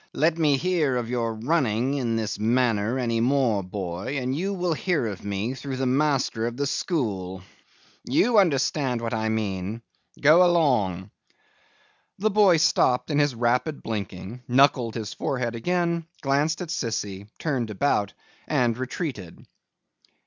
Let me hear of your running in this manner any more, boy, and you will hear of me through the master of the school. You understand what I mean. Go along.' The boy stopped in his rapid blinking, knuckled his forehead again, glanced at Sissy, turned about, and retreated.